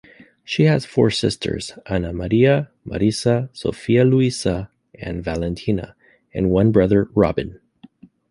She has four sisters: Anna Maria, Marisa, Sophia-Luisa, and Valentina; and one brother, Robin.